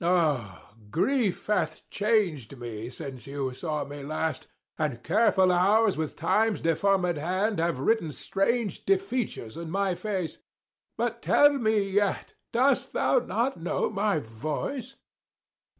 Æge. O, grief hath changed me since you saw me last, And careful hours with time's deformed hand Have written strange defeatures in my face: But tell me yet, dost thou not know my voice? 300 _Ant. E.